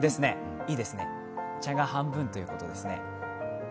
いいですね、茶が半分ということですね。